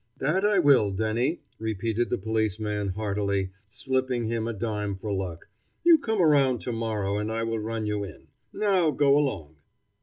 "That I will, Denny," repeated the policeman, heartily, slipping him a dime for luck. "You come around to morrow, and I will run you in. Now go along."